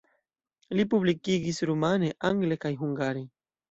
Li publikigis rumane, angle kaj hungare.